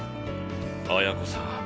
綾子さん